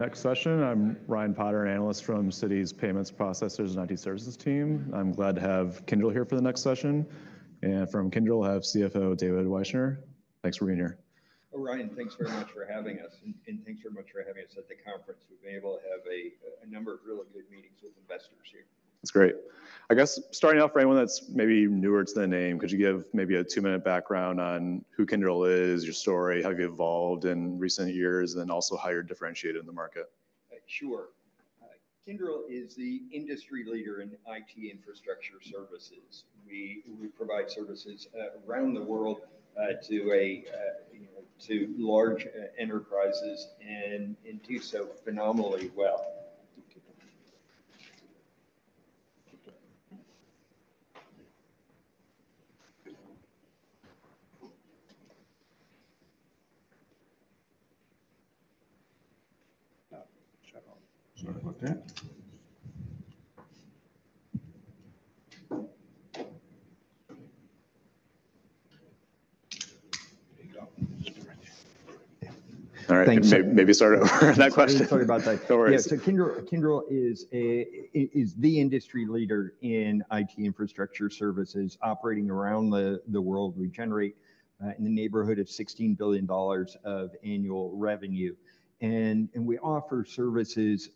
Next session, I'm Ryan Potter, an analyst from Citi's Payments Processors and IT Services team. I'm glad to have Kyndryl here for the next session, and from Kyndryl, we have CFO David Wyshner. Thanks for being here. Well, Ryan, thanks very much for having us, and thanks very much for having us at the conference. We've been able to have a number of really good meetings with investors here. That's great. I guess starting off for anyone that's maybe newer to the name, could you give maybe a 2-minute background on who Kyndryl is, your story, how you've evolved in recent years, and then also how you're differentiated in the market? Sure. Kyndryl is the industry leader in IT infrastructure services. We provide services around the world, you know, to large enterprises, and do so phenomenally well. Oh, shut off. Sorry about that. There you go. All right- Thank you. Maybe start over that question. Sorry about that. No worries. Yeah, so Kyndryl, Kyndryl is the industry leader in IT infrastructure services operating around the world. We generate in the neighborhood of $16 billion of annual revenue, and we offer services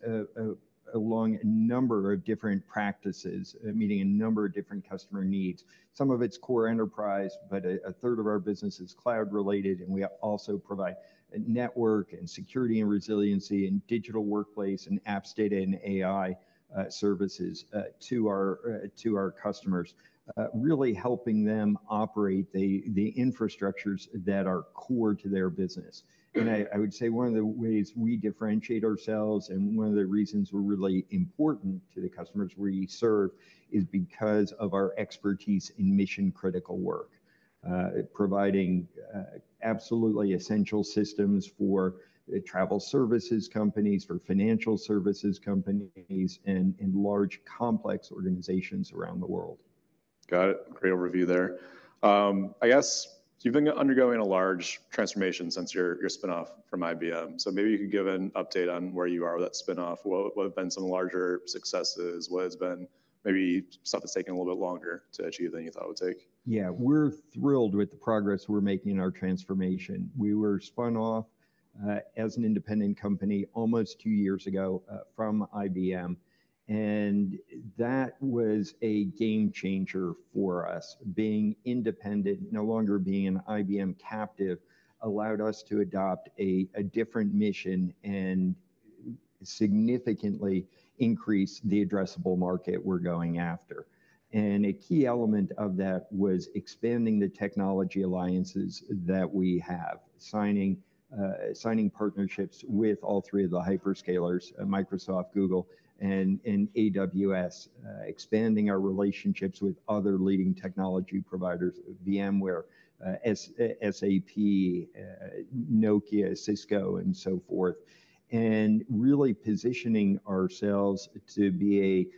along a number of different practices, meeting a number of different customer needs. Some of it's core enterprise, but a third of our business is cloud related, and we also provide a network, and security, and resiliency, and digital workplace, and apps, data, and AI services to our customers, really helping them operate the infrastructures that are core to their business. I would say one of the ways we differentiate ourselves, and one of the reasons we're really important to the customers we serve, is because of our expertise in mission-critical work, providing absolutely essential systems for travel services companies, for financial services companies, and large, complex organizations around the world. Got it. Great overview there. I guess you've been undergoing a large transformation since your spin-off from IBM, so maybe you could give an update on where you are with that spin-off. What have been some larger successes? What has been... maybe stuff that's taken a little bit longer to achieve than you thought it would take? Yeah, we're thrilled with the progress we're making in our transformation. We were spun off as an independent company almost two years ago from IBM, and that was a game changer for us. Being independent, no longer being an IBM captive, allowed us to adopt a different mission and significantly increase the addressable market we're going after. And a key element of that was expanding the technology alliances that we have, signing partnerships with all three of the hyperscalers, Microsoft, Google, and AWS. Expanding our relationships with other leading technology providers, VMware, SAP, Nokia, Cisco, and so forth, and really positioning ourselves to be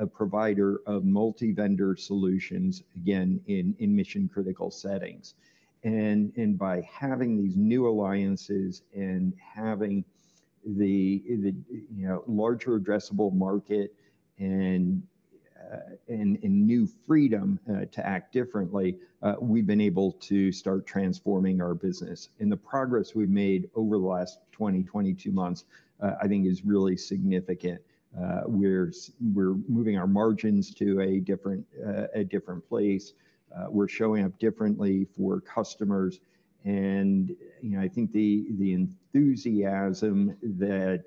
a provider of multi-vendor solutions, again, in mission-critical settings. By having these new alliances and having the, the, you know, larger addressable market and, and new freedom to act differently, we've been able to start transforming our business. The progress we've made over the last 22 months, I think is really significant. We're moving our margins to a different, a different place, we're showing up differently for customers, and, you know, I think the, the enthusiasm that,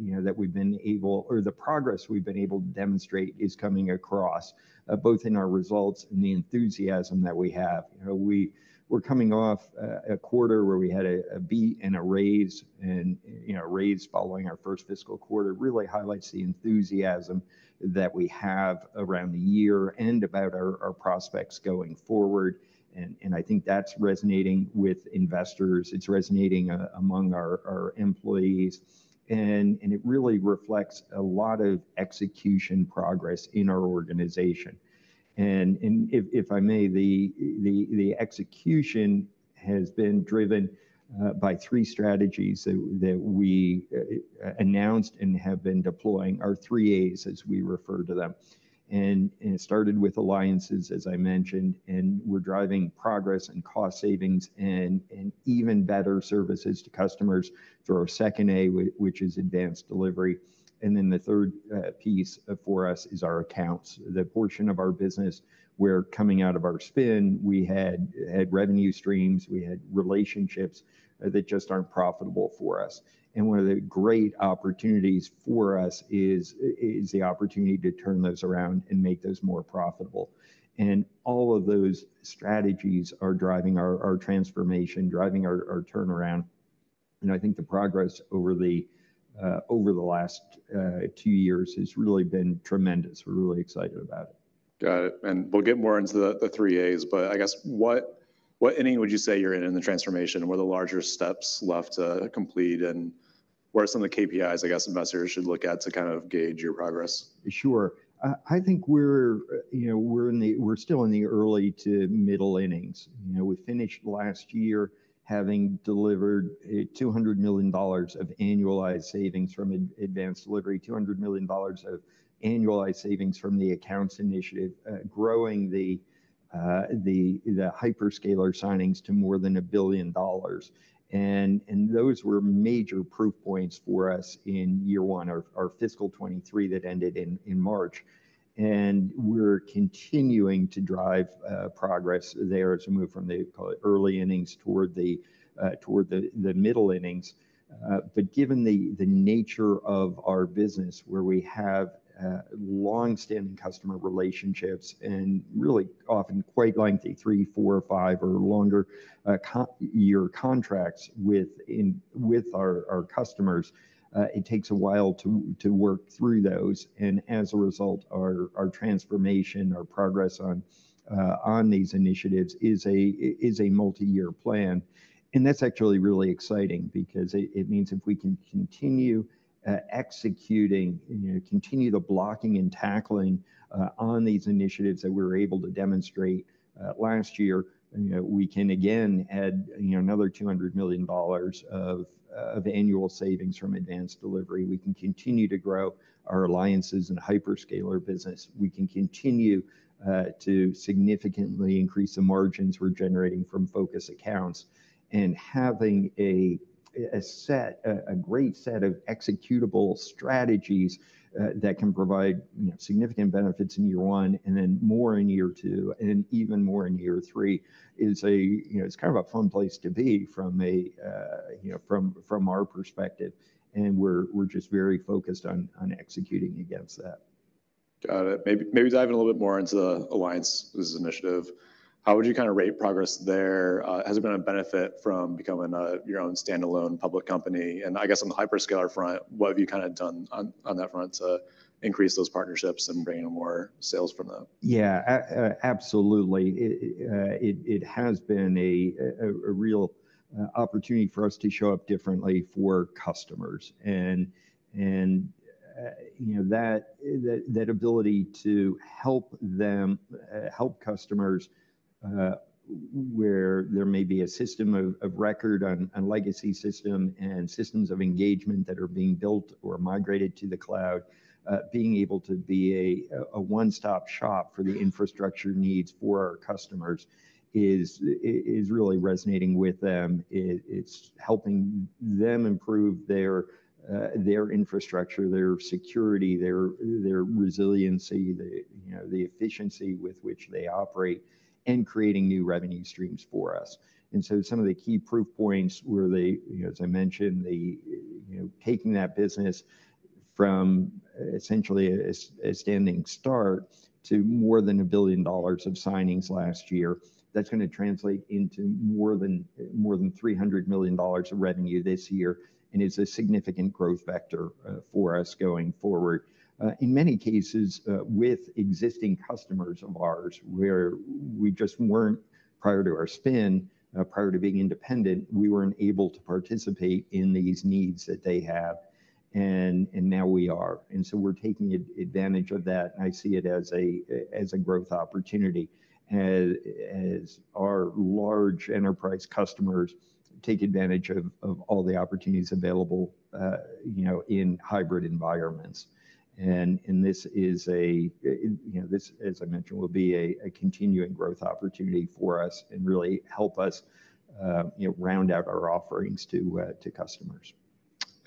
you know, that we've been able or the progress we've been able to demonstrate is coming across, both in our results and the enthusiasm that we have. You know, we're coming off a quarter where we had a beat and a raise, and, you know, a raise following our first fiscal quarter really highlights the enthusiasm that we have around the year and about our prospects going forward, and I think that's resonating with investors, it's resonating among our employees, and it really reflects a lot of execution progress in our organization. If I may, the execution has been driven by three strategies that we announced and have been deploying, our Three A's, as we refer to them. It started with Alliances, as I mentioned, and we're driving progress and cost savings and even better services to customers through our second A, which is Advanced Delivery. And then the third piece for us is our accounts. The portion of our business where coming out of our spin, we had revenue streams, we had relationships that just aren't profitable for us. And one of the great opportunities for us is the opportunity to turn those around and make those more profitable. And all of those strategies are driving our transformation, driving our turnaround, and I think the progress over the last two years has really been tremendous. We're really excited about it.... Got it. And we'll get more into the Three A's, but I guess what inning would you say you're in the transformation? What are the larger steps left to complete, and what are some of the KPIs, I guess, investors should look at to kind of gauge your progress? Sure. I think we're, you know, still in the early to middle innings. You know, we finished last year having delivered $200 million of annualized savings from Advanced Delivery, $200 million of annualized savings from the Accounts initiative. Growing the hyperscaler signings to more than $1 billion. And those were major proof points for us in year one of our fiscal 2023 that ended in March. And we're continuing to drive progress there as we move from the, call it, early innings toward the middle innings. But given the nature of our business, where we have longstanding customer relationships and really often quite lengthy three-, four-, or five- or longer-year contracts with our customers, it takes a while to work through those. As a result, our transformation, our progress on these initiatives is a multi-year plan. That's actually really exciting because it means if we can continue executing, you know, continue the blocking and tackling on these initiatives that we were able to demonstrate last year, you know, we can again add another $200 million of annual savings from Advanced Delivery. We can continue to grow our Alliances and hyperscaler business. We can continue to significantly increase the margins we're generating from Focus Accounts, and having a great set of executable strategies that can provide, you know, significant benefits in year one, and then more in year two, and even more in year three, is, you know, it's kind of a fun place to be from, you know, from our perspective. And we're just very focused on executing against that. Got it. Maybe, maybe diving a little bit more into the alliances initiative, how would you kind of rate progress there? Uh, has it been a benefit from becoming a, your own standalone public company? And I guess on the hyperscaler front, what have you kind of done on, on that front to increase those partnerships and bring in more sales from them? Yeah, absolutely. It has been a real opportunity for us to show up differently for customers. And you know, that ability to help them help customers where there may be a system of record on legacy system and systems of engagement that are being built or migrated to the cloud. Being able to be a one-stop shop for the infrastructure needs for our customers is really resonating with them. It's helping them improve their infrastructure, their security, their resiliency, you know, the efficiency with which they operate, and creating new revenue streams for us. And so some of the key proof points were the, you know, as I mentioned, the, you know, taking that business from essentially a standing start to more than $1 billion of signings last year. That's gonna translate into more than $300 million of revenue this year, and is a significant growth vector for us going forward. In many cases, with existing customers of ours, where we just weren't prior to our spin, prior to being independent, we weren't able to participate in these needs that they have, and now we are. And so we're taking advantage of that. I see it as a growth opportunity as our large enterprise customers take advantage of all the opportunities available, you know, in hybrid environments. This, as I mentioned, will be a continuing growth opportunity for us and really help us, you know, round out our offerings to customers.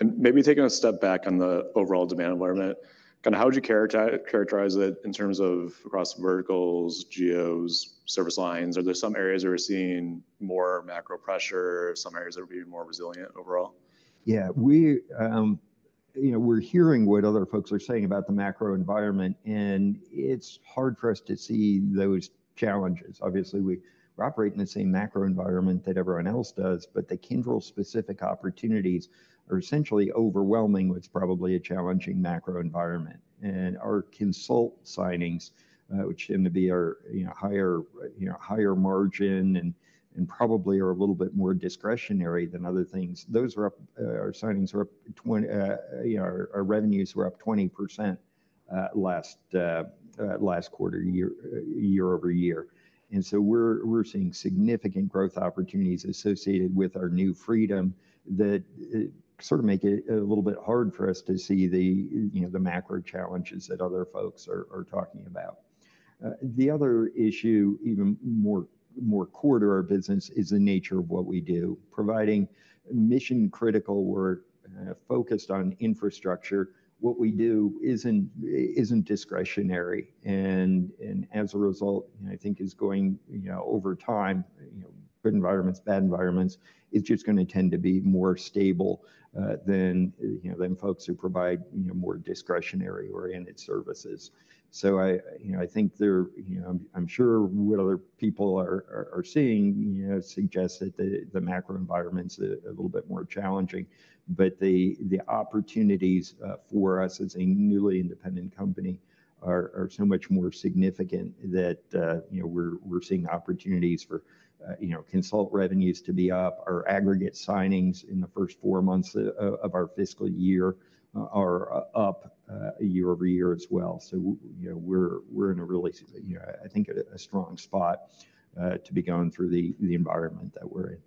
Maybe taking a step back on the overall demand environment, kind of how would you characterize it in terms of across verticals, geos, service lines? Are there some areas that are seeing more macro pressure, some areas that are even more resilient overall? Yeah, we, you know, we're hearing what other folks are saying about the macro environment, and it's hard for us to see those challenges. Obviously, we operate in the same macro environment that everyone else does, but the Kyndryl specific opportunities are essentially overwhelming what's probably a challenging macro environment. And our Consult signings, which tend to be our, you know, higher margin and probably are a little bit more discretionary than other things. Those are up. Our signings are up 20, you know, our revenues were up 20%, last quarter, year-over-year. And so we're seeing significant growth opportunities associated with our new freedom that sort of make it a little bit hard for us to see the, you know, the macro challenges that other folks are talking about. The other issue, even more core to our business, is the nature of what we do. Providing mission-critical work focused on infrastructure, what we do isn't discretionary, and as a result, you know, I think is going, you know, over time, you know, good environments, bad environments, it's just gonna tend to be more stable than, you know, than folks who provide, you know, more discretionary-oriented services. So I, you know, I think there, you know, I'm sure what other people are seeing, you know, suggests that the macro environment's a little bit more challenging. But the opportunities for us as a newly independent company are so much more significant that, you know, we're seeing opportunities for, you know, Consult revenues to be up-... Our aggregate signings in the first four months of our fiscal year are up year-over-year as well. So, you know, we're in a really, you know, I think, a strong spot to be going through the environment that we're in.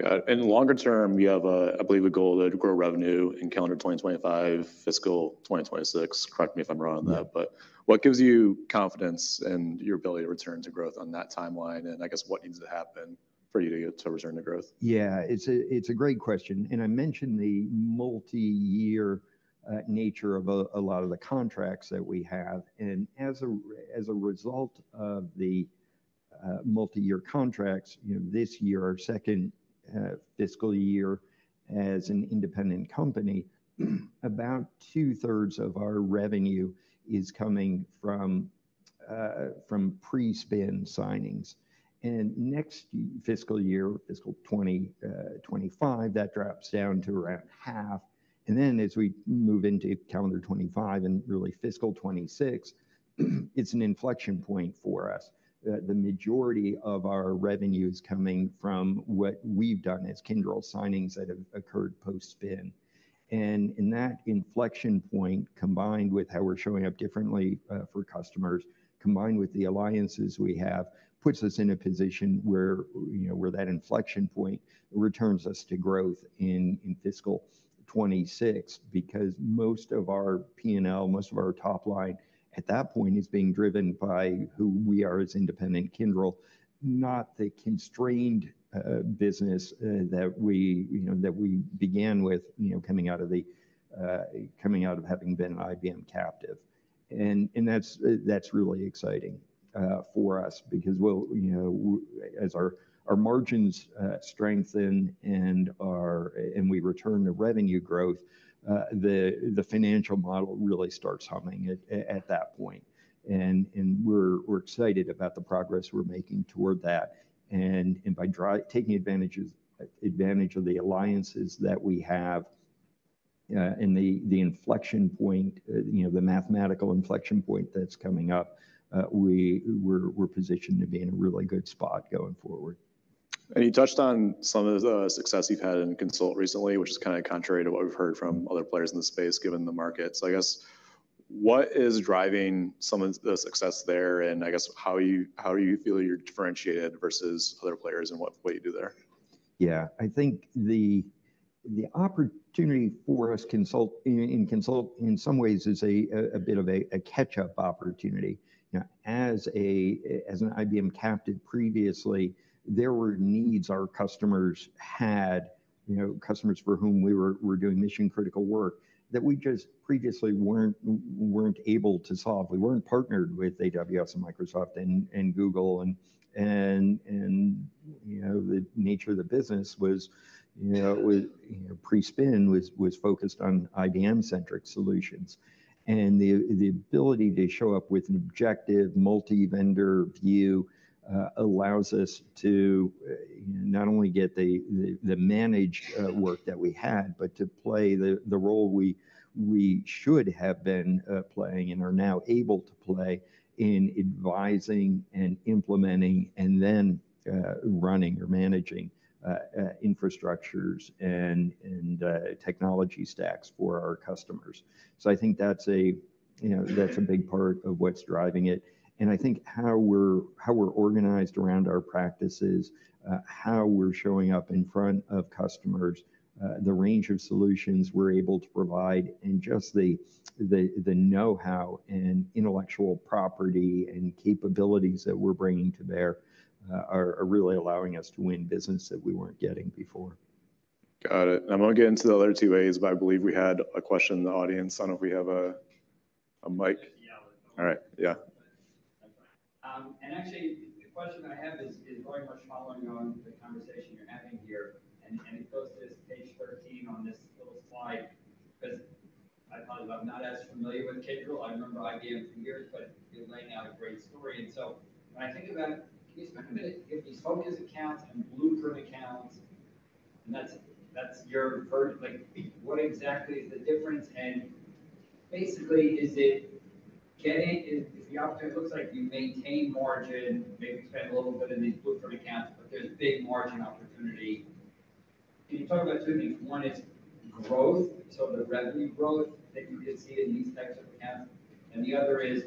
Got it. Longer term, you have a, I believe, a goal to grow revenue in calendar 2025, fiscal 2026. Correct me if I'm wrong on that. Mm-hmm. What gives you confidence in your ability to return to growth on that timeline? I guess, what needs to happen for you to get to return to growth? Yeah, it's a great question, and I mentioned the multi-year nature of a lot of the contracts that we have. As a result of the multi-year contracts, you know, this year, our second fiscal year as an independent company, about two-thirds of our revenue is coming from pre-spin signings. Next fiscal year, fiscal 2025, that drops down to around half, and then as we move into calendar 2025 and really fiscal 2026, it's an inflection point for us. The majority of our revenue is coming from what we've done as Kyndryl signings that have occurred post-spin. In that inflection point, combined with how we're showing up differently for customers, combined with the alliances we have, puts us in a position where, you know, where that inflection point returns us to growth in fiscal 2026, because most of our PNL, most of our top line at that point, is being driven by who we are as independent Kyndryl, not the constrained business that we, you know, that we began with, you know, coming out of having been IBM captive. And that's really exciting for us because we'll, you know, as our margins strengthen and we return to revenue growth, the financial model really starts humming at that point. And we're excited about the progress we're making toward that. And by Kyndryl taking advantage of the alliances that we have, and the inflection point, you know, the mathematical inflection point that's coming up, we're positioned to be in a really good spot going forward. You touched on some of the success you've had in Consult recently, which is kinda contrary to what we've heard from other players in the space, given the market. So I guess, what is driving some of the success there, and I guess, how you, how you feel you're differentiated versus other players, and what, what you do there? Yeah. I think the opportunity for us in Consult, in some ways is a bit of a catch-up opportunity. You know, as an IBM captive previously, there were needs our customers had, you know, customers for whom we were doing mission-critical work that we just previously weren't able to solve. We weren't partnered with AWS, and Microsoft, and Google, and, you know, the nature of the business was, you know, pre-spin, focused on IBM-centric solutions. And the ability to show up with an objective, multi-vendor view allows us to not only get the managed work that we had, but to play the role we should have been playing and are now able to play in advising and implementing, and then running or managing infrastructures and technology stacks for our customers. So I think that's, you know, a big part of what's driving it. And I think how we're organized around our practices, how we're showing up in front of customers, the range of solutions we're able to provide, and just the know-how and intellectual property and capabilities that we're bringing to bear are really allowing us to win business that we weren't getting before. Got it. I'm gonna get into the other two A's, but I believe we had a question in the audience. I don't know if we have a mic. Yeah. All right. Yeah. Actually, the question I have is, is very much following on the conversation you're having here, and, and it goes to this Page 13 on this little slide, 'cause I probably, I'm not as familiar with Kyndryl. I remember IBM for years, but you're laying out a great story. And so when I think about it, can you spend a minute? If these Focus Accounts and Blueprint Accounts, and that's, that's your first, like, what exactly is the difference? And basically, is it getting-- Is, is the opportunity... It looks like you maintain margin, maybe spend a little bit in these Blueprint Accounts, but there's big margin opportunity. Can you talk about two things? One is growth, so the revenue growth that you could see in these types of accounts, and the other is: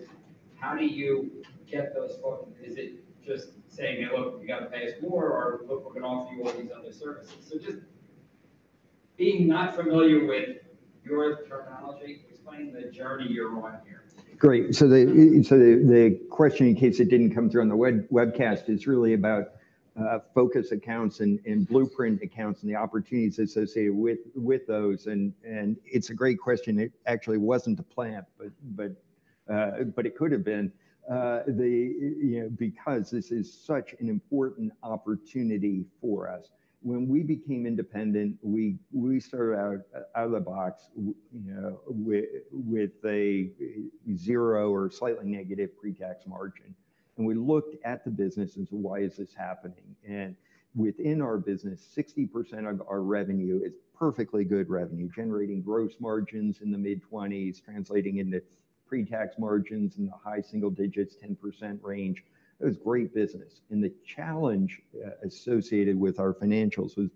how do you get those focus? Is it just saying, "Hey, look, you got to pay us more," or, "Look, we're gonna offer you all these other services?" So just being not familiar with your terminology, explain the journey you're on here? Great. So the question, in case it didn't come through on the webcast, it's really about Focus Accounts and Blueprint Accounts, and the opportunities associated with those, and it's a great question. It actually wasn't a plant, but it could have been. You know, because this is such an important opportunity for us, when we became independent, we started out of the box, you know, with a zero or slightly negative pre-tax margin. And we looked at the business and said: Why is this happening? And within our business, 60% of our revenue is perfectly good revenue, generating gross margins in the mid-20s%, translating into pre-tax margins in the high single digits, 10% range. It was great business. And the challenge associated with our financials was-...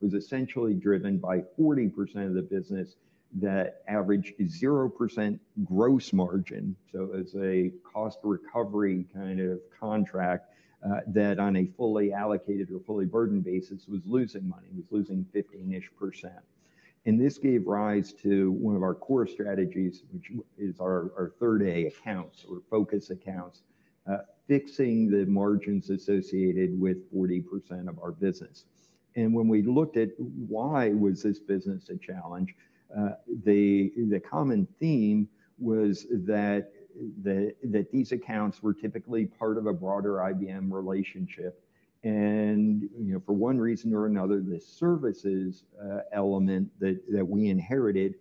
was essentially driven by 40% of the business that average 0% gross margin. So it's a cost recovery kind of contract that on a fully allocated or fully burdened basis was losing money, was losing 15-ish%. And this gave rise to one of our core strategies, which is our third A accounts or Focus Accounts, fixing the margins associated with 40% of our business. And when we looked at why was this business a challenge, the common theme was that these accounts were typically part of a broader IBM relationship, and you know, for one reason or another, the services element that we inherited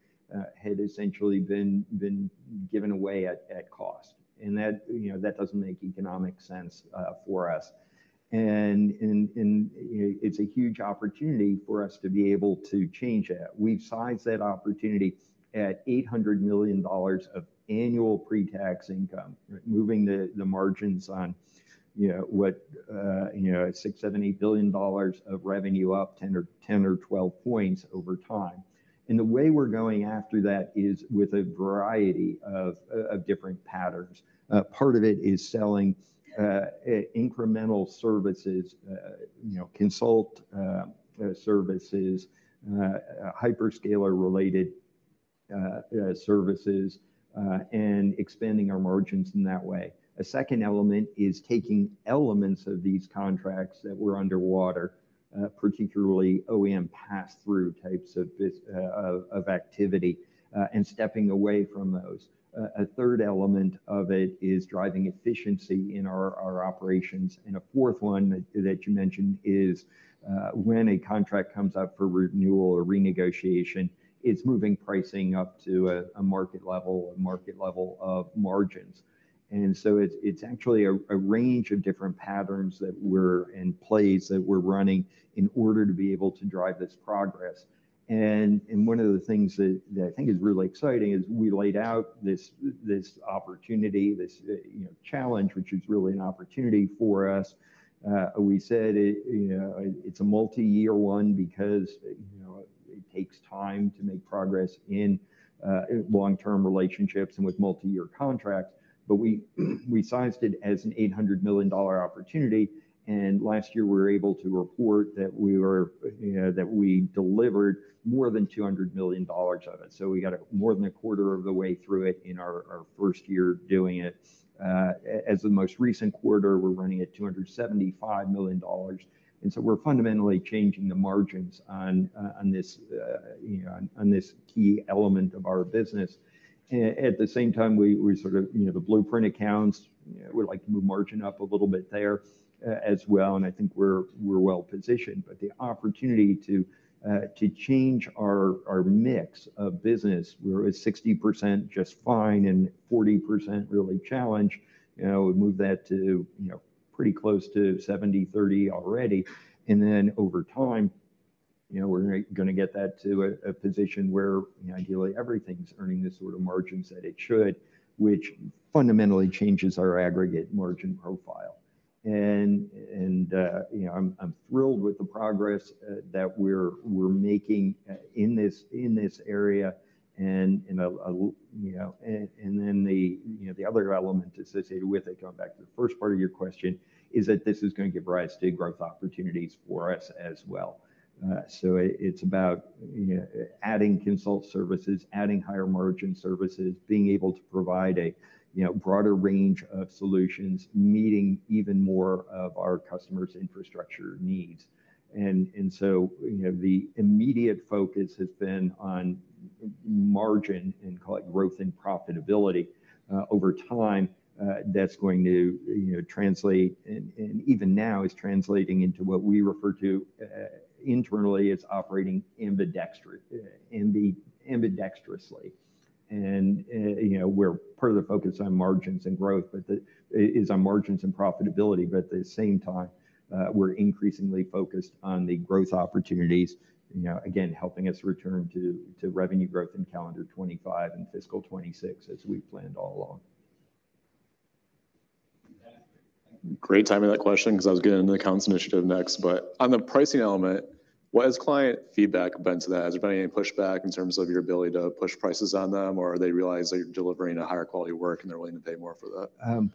had essentially been given away at cost. And that, you know, that doesn't make economic sense for us. You know, it's a huge opportunity for us to be able to change that. We've sized that opportunity at $800 million of annual pre-tax income, moving the margins on, you know, what $6 billion-$8 billion of revenue up 10 or 12 points over time. The way we're going after that is with a variety of different patterns. Part of it is selling incremental services, you know, Consult services, hyperscaler-related services, and expanding our margins in that way. A second element is taking elements of these contracts that were underwater, particularly OEM pass-through types of activity, and stepping away from those. A third element of it is driving efficiency in our operations, and a fourth one that you mentioned is, when a contract comes up for renewal or renegotiation, it's moving pricing up to a market level of margins. And so it's actually a range of different patterns that we're in place, that we're running in order to be able to drive this progress. And one of the things that I think is really exciting is we laid out this opportunity, this you know challenge, which is really an opportunity for us. We said it, you know, it's a multi-year one because, you know, it takes time to make progress in long-term relationships and with multi-year contracts. But we sized it as an $800 million opportunity, and last year, we were able to report that we were, you know, that we delivered more than $200 million of it. So we got more than a quarter of the way through it in our first year doing it. As the most recent quarter, we're running at $275 million, and so we're fundamentally changing the margins on this, you know, on this key element of our business. At the same time, we sort of, you know, the Blueprint Accounts, we'd like to move margin up a little bit there, as well, and I think we're well positioned. But the opportunity to change our mix of business, where 60% just fine and 40% really challenged, you know, we've moved that to, you know, pretty close to 70/30 already. And then over time, you know, we're gonna get that to a position where, you know, ideally everything's earning the sort of margins that it should, which fundamentally changes our aggregate margin profile. And you know, I'm thrilled with the progress that we're making in this area. And then the other element associated with it, going back to the first part of your question, is that this is gonna give rise to growth opportunities for us as well. So it's about, you know, adding Consult services, adding higher margin services, being able to provide a, you know, broader range of solutions, meeting even more of our customers' infrastructure needs. So, you know, the immediate focus has been on margin and call it growth and profitability. Over time, that's going to, you know, translate and even now is translating into what we refer to internally as operating ambidextrously. And, you know, we're part of the focus on margins and growth, but is on margins and profitability, but at the same time, we're increasingly focused on the growth opportunities, you know, again, helping us return to revenue growth in calendar 2025 and fiscal 2026, as we planned all along. Great timing of that question because I was getting into the accounts initiative next. On the pricing element, what has client feedback been to that? Has there been any pushback in terms of your ability to push prices on them, or they realize that you're delivering a higher quality work and they're willing to pay more for that?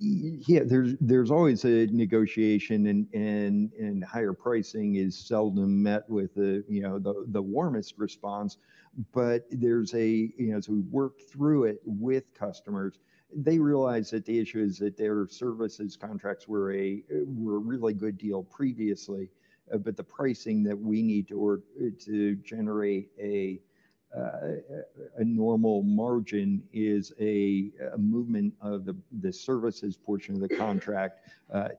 Yeah, there's always a negotiation and higher pricing is seldom met with the, you know, the warmest response. But there's a you know, as we work through it with customers, they realize that the issue is that their services contracts were a really good deal previously, but the pricing that we need to to generate a normal margin is a movement of the services portion of the contract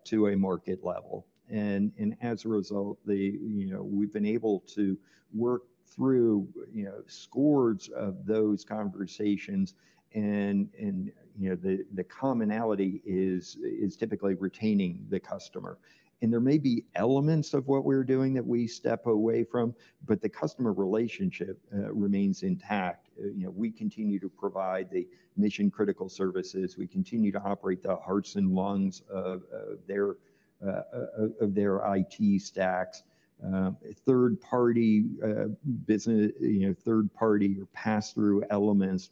to a market level. And as a result, you know, we've been able to work through scores of those conversations and you know, the commonality is typically retaining the customer. And there may be elements of what we're doing that we step away from, but the customer relationship remains intact. You know, we continue to provide the mission-critical services. We continue to operate the hearts and lungs of their IT stacks. Third-party business, you know, third-party or pass-through elements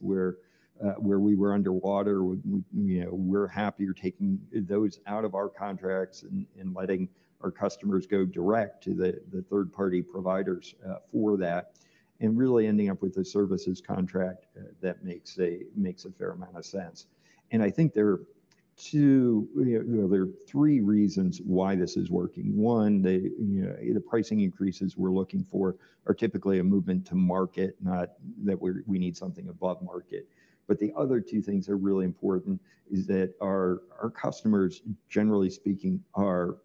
where we were underwater, you know, we're happier taking those out of our contracts and letting our customers go direct to the third-party providers for that, and really ending up with a services contract that makes a fair amount of sense. And I think there are two, you know, there are three reasons why this is working. One, you know, the pricing increases we're looking for are typically a movement to market, not that we're we need something above market. But the other two things that are really important is that our customers, generally speaking, are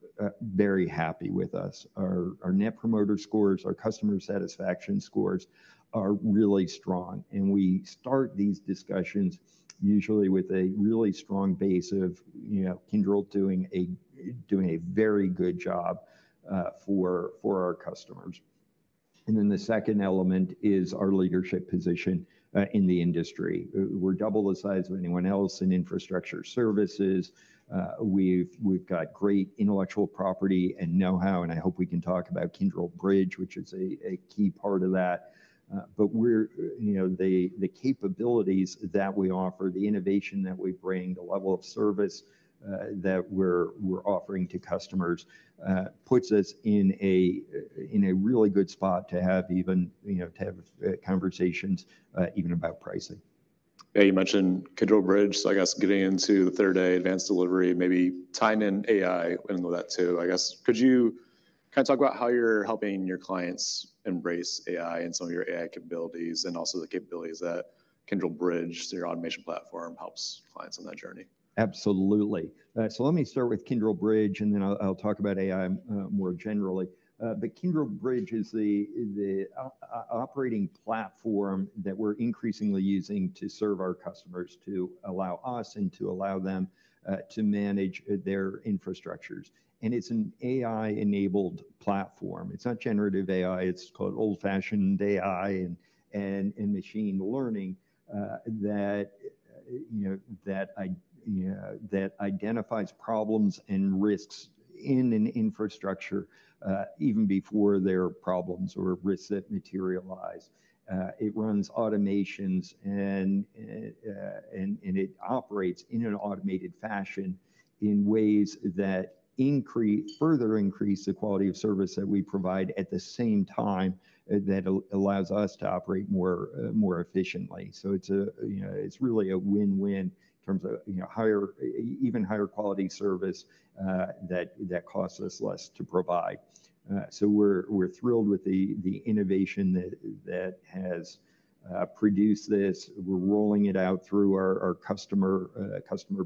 very happy with us. Our Net Promoter Scores, our customer satisfaction scores are really strong. We start these discussions usually with a really strong base of, you know, Kyndryl doing a very good job for our customers. Then the second element is our leadership position in the industry. We're double the size of anyone else in infrastructure services. We've got great intellectual property and know-how, and I hope we can talk about Kyndryl Bridge, which is a key part of that. But we're, you know, the capabilities that we offer, the innovation that we bring, the level of service that we're offering to customers puts us in a really good spot to have even, you know, to have conversations even about pricing. Yeah, you mentioned Kyndryl Bridge, so I guess getting into the third A, Advanced Delivery, maybe tying in AI into that too, I guess. Could you kinda talk about how you're helping your clients embrace AI and some of your AI capabilities, and also the capabilities that Kyndryl Bridge, your automation platform, helps clients on that journey? Absolutely. So let me start with Kyndryl Bridge, and then I'll talk about AI more generally. But Kyndryl Bridge is the operating platform that we're increasingly using to serve our customers, to allow us and to allow them to manage their infrastructures. And it's an AI-enabled platform. It's not generative AI, it's called old-fashioned AI and machine learning that you know identifies problems and risks in an infrastructure even before there are problems or risks that materialize. It runs automations and it operates in an automated fashion in ways that further increase the quality of service that we provide, at the same time that allows us to operate more efficiently. So it's a, you know, it's really a win-win in terms of, you know, higher, even higher quality service that costs us less to provide. So we're thrilled with the innovation that has produced this. We're rolling it out through our customer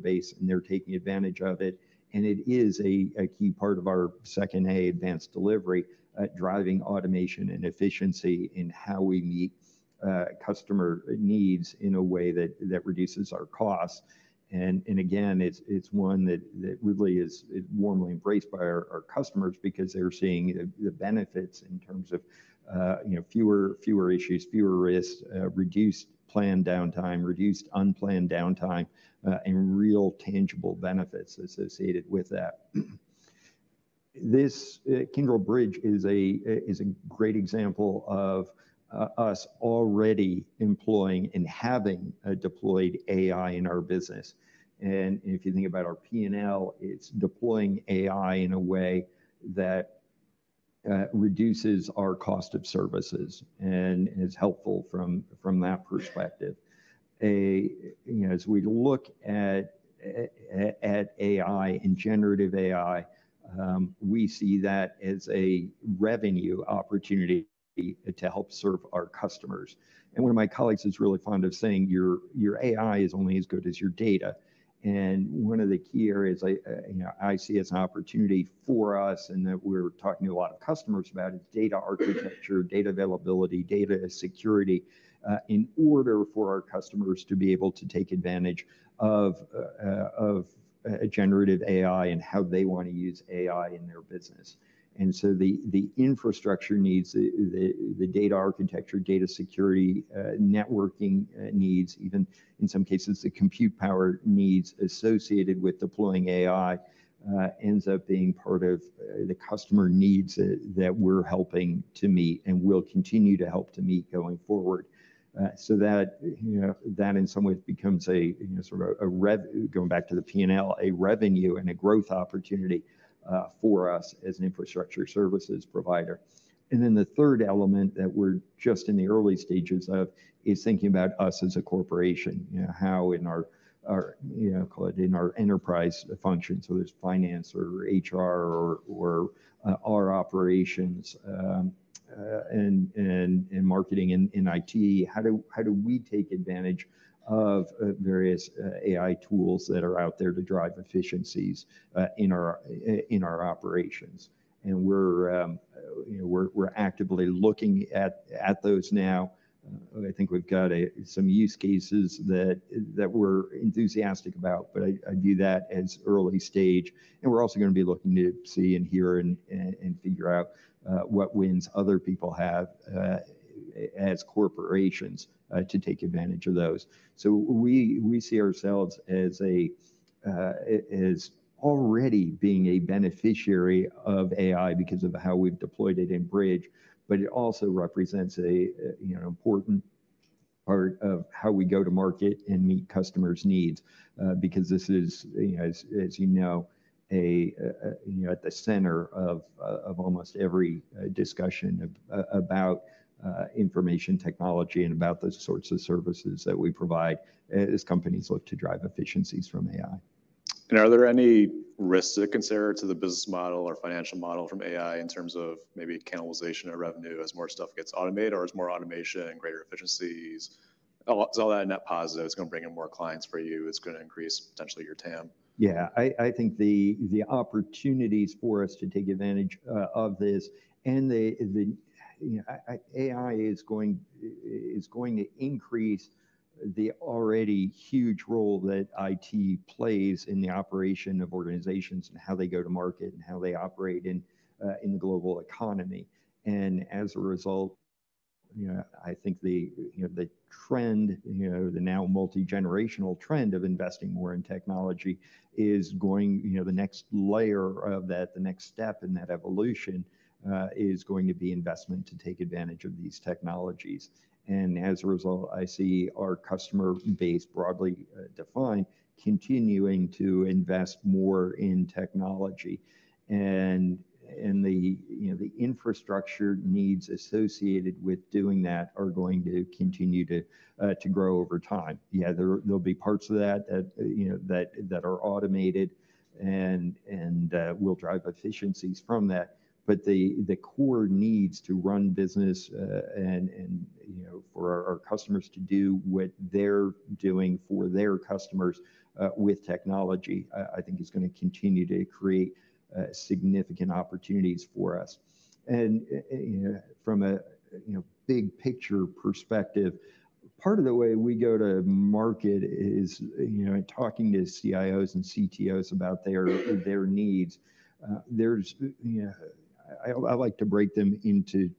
base, and they're taking advantage of it. And it is a key part of our second A, Advanced Delivery, driving automation and efficiency in how we meet customer needs in a way that reduces our costs. And again, it's one that really is warmly embraced by our customers because they're seeing the benefits in terms of, you know, fewer issues, fewer risks, reduced planned downtime, reduced unplanned downtime, and real tangible benefits associated with that. This Kyndryl Bridge is a great example of us already employing and having deployed AI in our business. And if you think about our P&L, it's deploying AI in a way that reduces our cost of services and is helpful from that perspective. You know, as we look at AI and generative AI, we see that as a revenue opportunity to help serve our customers. One of my colleagues is really fond of saying, "Your AI is only as good as your data." One of the key areas I, you know, I see as an opportunity for us and that we're talking to a lot of customers about is data architecture, data availability, data security, in order for our customers to be able to take advantage of generative AI and how they want to use AI in their business. So the infrastructure needs, the data architecture, data security, networking needs, even in some cases, the compute power needs associated with deploying AI ends up being part of the customer needs that we're helping to meet and will continue to help to meet going forward. So that, you know, that in some ways becomes a, you know, sort of a revenue—going back to the P&L, a revenue and a growth opportunity for us as an infrastructure services provider. And then the third element that we're just in the early stages of is thinking about us as a corporation. You know, how in our you know, call it in our enterprise function, so there's finance or HR or our operations, and marketing and IT, how do we take advantage of various AI tools that are out there to drive efficiencies in our operations? And we're you know, we're actively looking at those now. I think we've got some use cases that we're enthusiastic about, but I view that as early stage. And we're also gonna be looking to see and hear and figure out what wins other people have as corporations to take advantage of those. So we see ourselves as already being a beneficiary of AI because of how we've deployed it in Bridge, but it also represents a, you know, important part of how we go to market and meet customers' needs, because this is, you know, as you know, a, you know, at the center of almost every discussion about information technology and about those sorts of services that we provide as companies look to drive efficiencies from AI. Are there any risks to consider to the business model or financial model from AI in terms of maybe cannibalization of revenue as more stuff gets automated, or is more automation and greater efficiencies, is all that a net positive? It's gonna bring in more clients for you, it's gonna increase potentially your TAM? Yeah, I think the opportunities for us to take advantage of this and the, you know, AI is going to increase the already huge role that IT plays in the operation of organizations, and how they go to market, and how they operate in the global economy. And as a result, you know, I think the, you know, the trend, you know, the now multi-generational trend of investing more in technology is going, you know, the next layer of that, the next step in that evolution, is going to be investment to take advantage of these technologies. And as a result, I see our customer base, broadly defined, continuing to invest more in technology. And the, you know, the infrastructure needs associated with doing that are going to continue to grow over time. Yeah, there'll be parts of that, you know, that are automated and will drive efficiencies from that. But the core needs to run business, and, you know, for our customers to do what they're doing for their customers, with technology, I think is gonna continue to create significant opportunities for us. And, you know, from a big picture perspective, part of the way we go to market is, you know, in talking to CIOs and CTOs about their needs, there's, you know... I like to break them into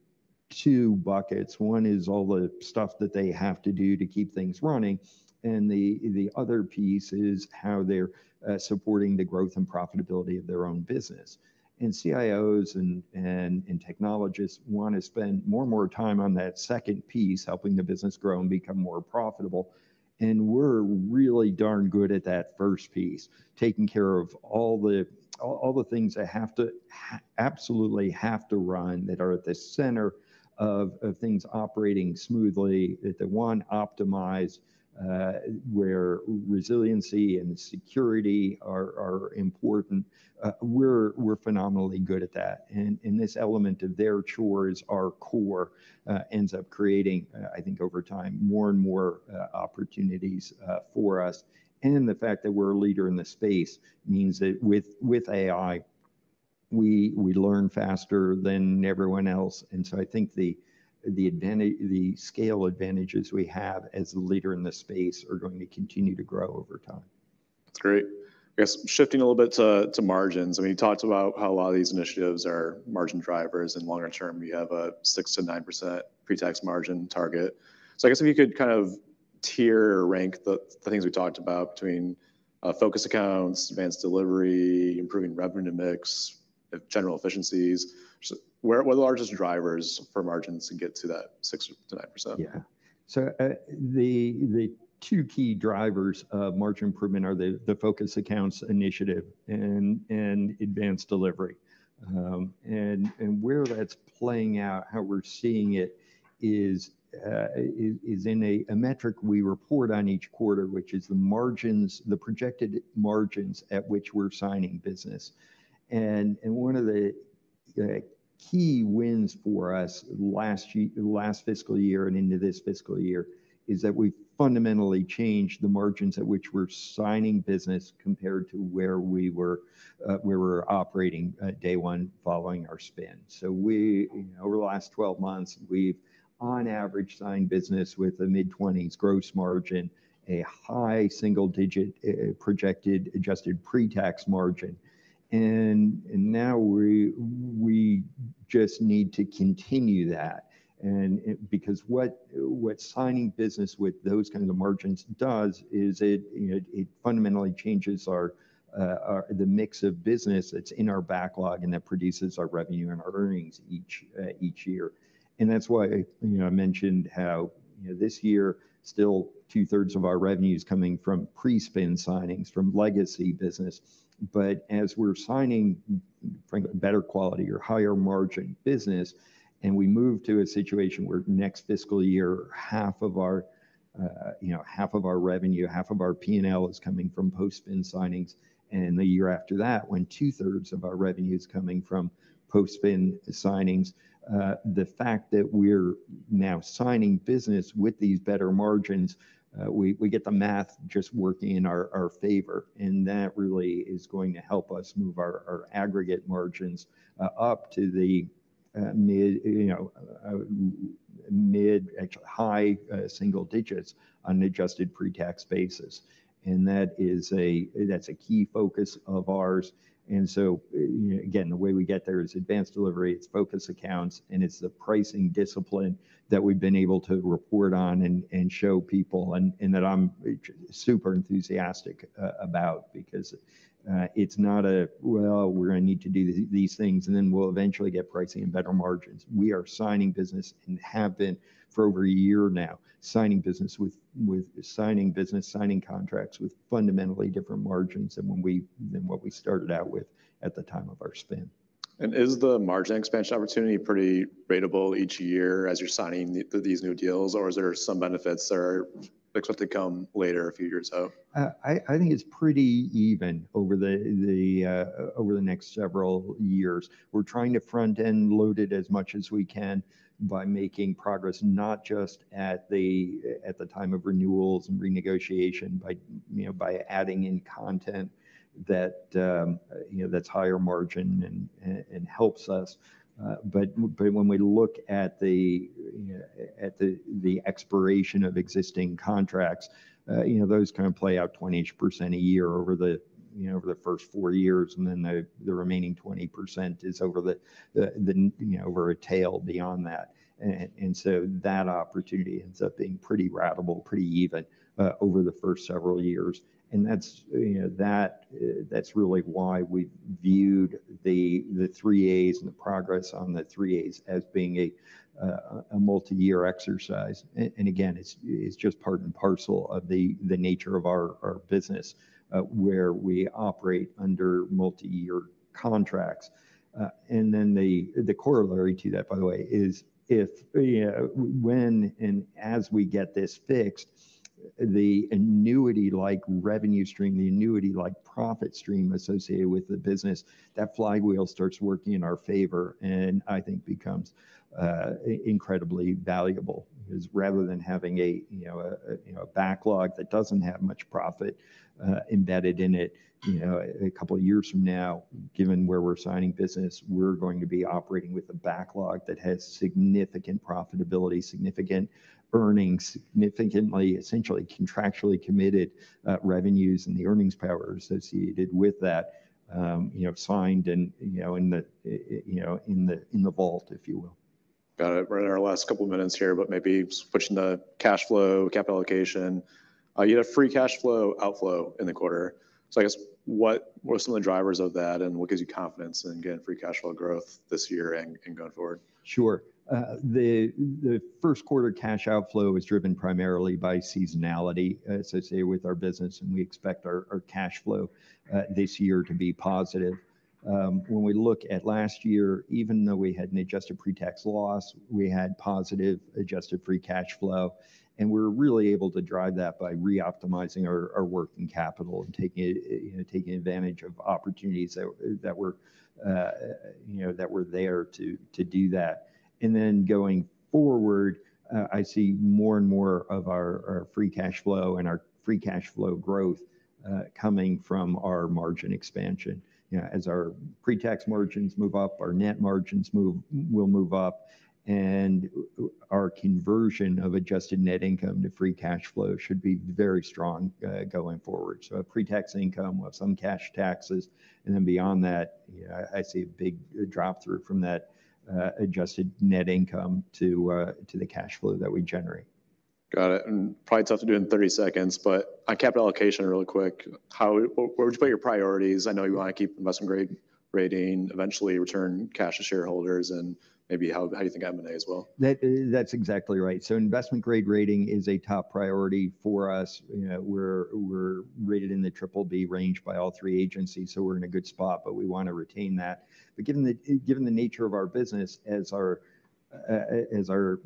two buckets. One is all the stuff that they have to do to keep things running, and the other piece is how they're supporting the growth and profitability of their own business. CIOs and technologists want to spend more and more time on that second piece, helping the business grow and become more profitable. We're really darn good at that first piece, taking care of all the things that have to absolutely have to run, that are at the center of things operating smoothly, that they want to optimize, where resiliency and security are important. We're phenomenally good at that. This element of their chores, our core, ends up creating, I think over time, more and more opportunities for us. The fact that we're a leader in this space means that with AI, we learn faster than everyone else. And so I think the scale advantages we have as a leader in this space are going to continue to grow over time. That's great. I guess shifting a little bit to margins. I mean, you talked about how a lot of these initiatives are margin drivers, and longer term, you have a 6%-9% pre-tax margin target. So I guess if you could kind of tier or rank the things we talked about between Focus Accounts, advanced delivery, improving revenue mix, general efficiencies. So where are the largest drivers for margins to get to that 6%-9%? Yeah. So, the two key drivers of margin improvement are the Focus Accounts initiative and Advanced Delivery. And where that's playing out, how we're seeing it is in a metric we report on each quarter, which is the margins, the projected margins at which we're signing business. And one of the key wins for us last fiscal year and into this fiscal year is that we've fundamentally changed the margins at which we're signing business, compared to where we were operating at day one following our spin. So we, you know, over the last 12 months, we've, on average, signed business with a mid-20s gross margin, a high single-digit projected adjusted pre-tax margin. And now we just need to continue that, because what signing business with those kind of margins does is it, you know, it fundamentally changes our the mix of business that's in our backlog and that produces our revenue and our earnings each year. And that's why, you know, I mentioned how, you know, this year, still two-thirds of our revenue is coming from pre-spin signings, from legacy business. But as we're signing, frankly, better quality or higher margin business, and we move to a situation where next fiscal year, half of our, you know, half of our revenue, half of our P&L is coming from post-spin signings, and the year after that, when two-thirds of our revenue is coming from post-spin signings, the fact that we're now signing business with these better margins, we get the math just working in our favor. And that really is going to help us move our aggregate margins up to the mid, you know, mid, actually high single digits on an adjusted pre-tax basis. And that is, that's a key focus of ours. You know, again, the way we get there is Advanced Delivery, it's Focus Accounts, and it's the pricing discipline that we've been able to report on and show people, and that I'm super enthusiastic about. Because it's not a, "Well, we're gonna need to do these things, and then we'll eventually get pricing and better margins." We are signing business and have been for over a year now, signing business, signing contracts with fundamentally different margins than what we started out with at the time of our spin. ... Is the margin expansion opportunity pretty ratable each year as you're signing these new deals? Or is there some benefits that are expected to come later, a few years out? I think it's pretty even over the next several years. We're trying to front-end load it as much as we can by making progress, not just at the time of renewals and renegotiation, by, you know, by adding in content that, you know, that's higher margin and helps us. But when we look at the expiration of existing contracts, you know, those kind of play out 20-ish% a year over the, you know, first four years, and then the remaining 20% is over a tail beyond that. So that opportunity ends up being pretty ratable, pretty even over the first several years. That's, you know, that's really why we viewed the Three A's and the progress on the Three A's as being a multi-year exercise. And again, it's just part and parcel of the nature of our business, where we operate under multi-year contracts. And then the corollary to that, by the way, is if, when and as we get this fixed, the annuity-like revenue stream, the annuity-like profit stream associated with the business, that flywheel starts working in our favor, and I think becomes incredibly valuable. Because rather than having a, you know, a backlog that doesn't have much profit, embedded in it, you know, a couple of years from now, given where we're signing business, we're going to be operating with a backlog that has significant profitability, significant earnings, significantly, essentially contractually committed, revenues and the earnings power associated with that, you know, signed and, you know, in the, in the vault, if you will. Got it. We're in our last couple of minutes here, but maybe just pushing the cash flow, capital allocation. You had a free cash flow outflow in the quarter. So I guess, what were some of the drivers of that, and what gives you confidence in getting free cash flow growth this year and, and going forward? Sure. The first quarter cash outflow is driven primarily by seasonality associated with our business, and we expect our cash flow this year to be positive. When we look at last year, even though we had an adjusted pre-tax loss, we had positive adjusted free cash flow, and we're really able to drive that by reoptimizing our working capital and taking, you know, taking advantage of opportunities that were, you know, there to do that. And then going forward, I see more and more of our free cash flow and our free cash flow growth coming from our margin expansion. You know, as our pre-tax margins move up, our net margins move- will move up, and our conversion of adjusted net income to free cash flow should be very strong going forward. So pre-tax income, we'll have some cash taxes, and then beyond that, I see a big drop-through from that, adjusted net income to, to the cash flow that we generate. Got it. And probably tough to do in 30 seconds, but on capital allocation really quick, how... where would you put your priorities? I know you want to keep investment grade rating, eventually return cash to shareholders, and maybe how, how do you think M&A as well? That's exactly right. So investment grade rating is a top priority for us. You know, we're rated in the triple B range by all three agencies, so we're in a good spot, but we want to retain that. But given the nature of our business, as our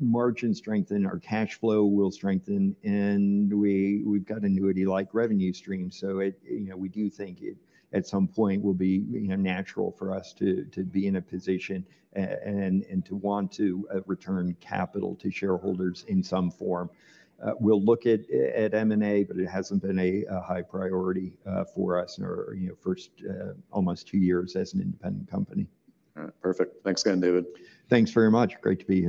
margins strengthen, our cash flow will strengthen, and we've got annuity-like revenue stream. So it, you know, we do think it at some point will be, you know, natural for us to be in a position and to want to return capital to shareholders in some form. We'll look at M&A, but it hasn't been a high priority for us in our first almost two years as an independent company. All right. Perfect. Thanks again, David. Thanks very much. Great to be here.